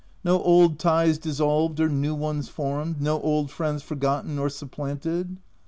— No old ties dissolved or new ones formed ? no old friends forgotten or supplanted?"